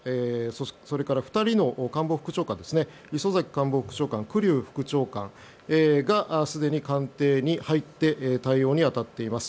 それから２人の官房副長官磯崎官房副長官クリュウ副長官がすでに官邸に入って対応に当たっています。